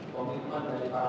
komitmen dari para